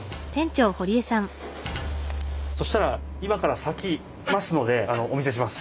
そしたら今からさきますのでお見せします。